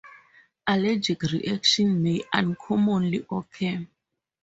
Allergic reactions may uncommonly occur.